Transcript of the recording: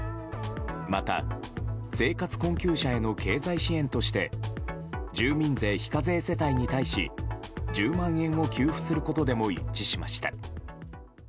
また、生活困窮者への経済支援として住民税非課税世帯に対し１０万円を給付することでも一致しました。